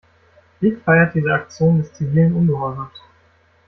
Rick feiert diese Aktion des zivilen Ungehorsams.